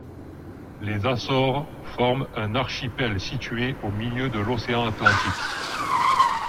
Les Açores forment un archipel situé au milieu de l'océan Atlantique.